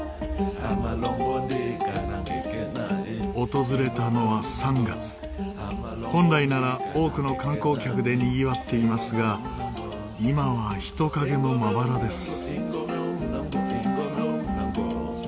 訪れたのは３月本来なら多くの観光客でにぎわっていますが今は人影もまばらです。